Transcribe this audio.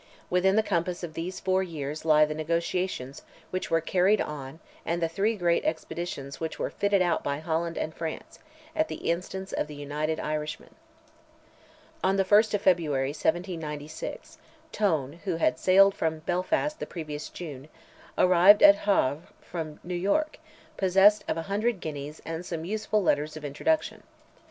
Within the compass of those four years lie the negotiations which were carried on and the three great expeditions which were fitted out by France and Holland, at the instance of the United Irishmen. On the 1st of February, 1796, Tone, who had sailed from Belfast the previous June, arrived at Havre from New York, possessed of a hundred guineas and some useful letters of introduction.